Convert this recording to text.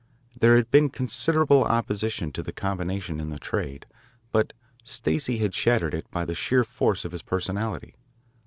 There had been considerable opposition to the combination in the trade, but Stacey had shattered it by the sheer force of his personality.